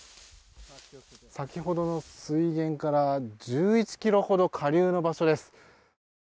先ほどの水源から１１ｋｍほど下流の場所です。